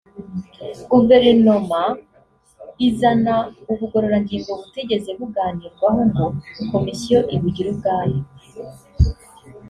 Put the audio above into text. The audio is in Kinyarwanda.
guverinoma izana ubugororangingo butigeze buganirwaho ngo komisiyo ibugire ubwayo